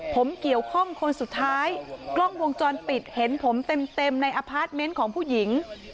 ผมเกี่ยวข้องคนสุดท้ายกล้องวงจรปิดเห็นผมเต็มในอพาร์ทเมนต์ของผู้หญิง